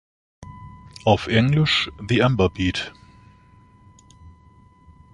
Auf Englisch The Amber Bead.